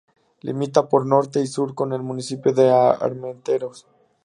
Limita por Norte y Sur con el municipio de Armenteros.